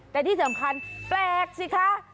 แต่ที่สำคัญแปลกสิคะ